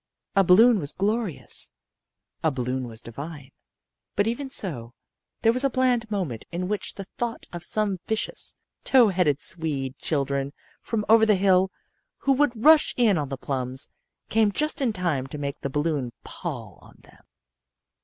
A balloon was glorious a balloon was divine but even so, there was a bland moment in which the thought of some vicious, tow headed Swede children from over the hill, who would rush in on the plums, came just in time to make the balloon pall on them.